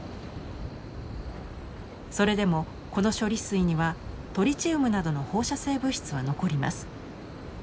それでもこの処理水にはトリチウムなどの放射性物質は残ります。